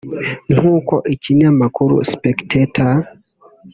nk’uko ikinyamakuru spectator